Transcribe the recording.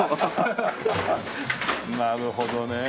なるほどね。